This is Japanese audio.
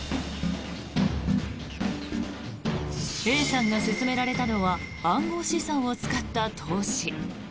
Ａさんが勧められたのは暗号資産を使った投資。